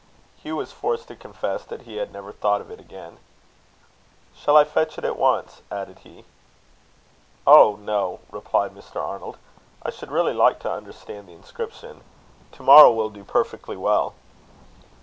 Hugh was forced to confess that he had never thought of it again. "Shall I fetch it at once?" added he. "Oh! no," replied Mr. Arnold. "I should really like to understand the inscription. To morrow will do perfectly well."